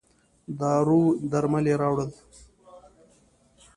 دارو درمل یې راووړل.